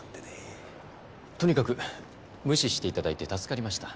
とにかく無視して頂いて助かりました。